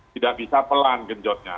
tidak bisa pelan genjotnya